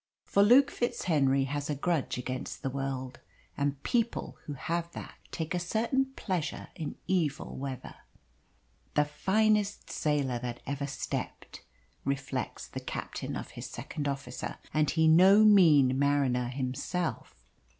For Luke FitzHenry has a grudge against the world, and people who have that take a certain pleasure in evil weather. "The finest sailor that ever stepped," reflects the captain of his second officer and he no mean mariner himself.